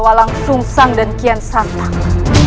walang sungsang dan kian santang